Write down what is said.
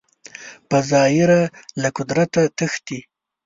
په ظاهره له قدرته تښتي